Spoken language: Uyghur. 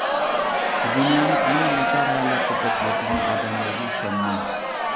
بۇ دۇنيانى ئەڭ ناچار ھالەتتە دەپ يۈرىدىغان ئادەملەرگە ئىشەنمە.